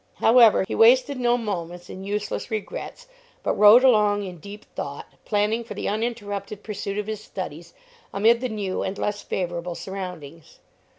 However, he wasted no moments in useless regrets, but rode along in deep thought, planning for the uninterrupted pursuit of his studies amid the new and less favorable surroundings.